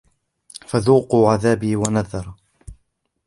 فذوقوا عذابي ونذر